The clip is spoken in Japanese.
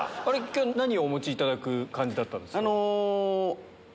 今日何をお持ちいただく感じだったんですか？